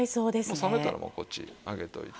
冷めたらもうこっちへ上げておいて。